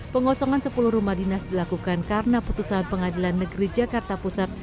pengosongan sepuluh rumah dinas dilakukan karena putusan pengadilan negeri jakarta pusat